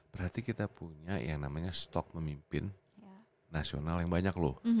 berarti kita punya yang namanya stok memimpin nasional yang banyak loh